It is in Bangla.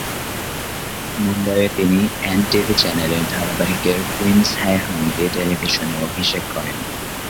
মুম্বাইয়ে তিনি অ্যান্ড টিভি চ্যানেলের ধারাবাহিকের কুইন্স হ্যায় হাম দিয়ে টেলিভিশনে অভিষেক করেন।